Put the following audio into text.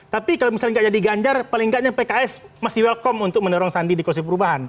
tapi kalau misalnya nggak jadi ganjar paling nggaknya pks masih welcome untuk mendorong sandi di koalisi perubahan